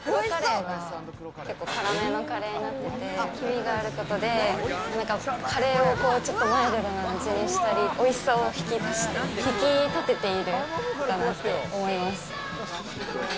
辛めのカレーになってて黄身があることでカレーをちょっとマイルドな味にしたり、おいしさを引き立てている。